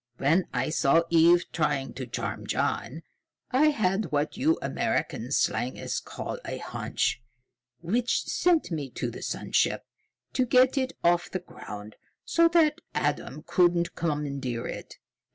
When I saw Eve trying to charm John, I had what you American slangists call a hunch, which sent me to the sun ship to get it off the ground so that Adam couldn't commandeer it.